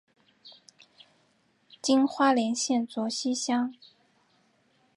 今花莲县卓溪乡。